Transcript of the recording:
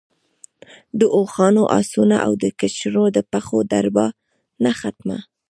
د اوښانو، آسونو او د کچرو د پښو دربا نه خته.